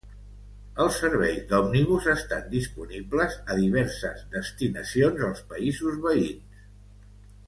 Els serveis d'òmnibus estan disponibles a diverses destinacions als països veïns.